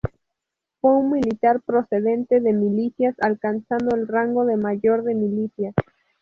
Fue un militar procedente de milicias, alcanzando el rango de mayor de milicias.